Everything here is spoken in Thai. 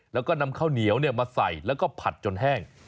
แล้วก็นำข้าวเหนียวมาใส่แล้วก็ผัดจนแห้ง